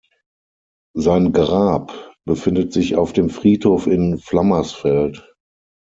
Sein Grab befindet sich auf dem Friedhof in Flammersfeld.